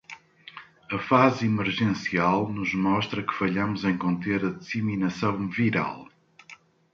A fase emergencial nos mostra que falhamos em conter a disseminação viral